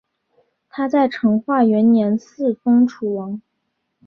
他在成化元年嗣封楚王。